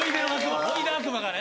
ほいで悪魔がね。